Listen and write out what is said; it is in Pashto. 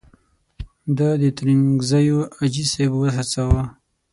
ده د ترنګزیو حاجي صاحب وهڅاوه.